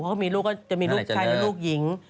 จะมีลูกชายแล้วลูกหญิง